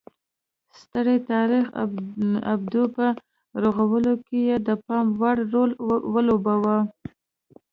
ستر تاریخي ابدو په رغولو کې یې د پام وړ رول ولوباوه